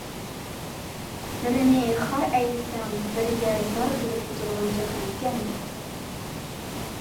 بىرىنى خار ئەيلىسەڭ، بىرىگە زار بولۇپ ئۆتىدىغان جاھان ئىكەن بۇ.